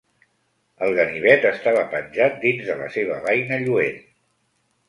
El ganivet estava penjat dins de la seva beina lluent.